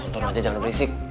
tonton aja jangan berisik